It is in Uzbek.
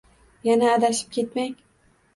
Yana adashib ketmang